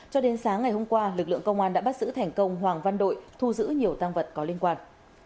cho đến sáng ngày hôm qua lực lượng công an đã bắt giữ thành công hoàng văn đội thu giữ nhiều tăng vật có liên quan